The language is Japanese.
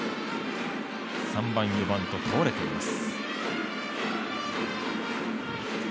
３番、４番と倒れています。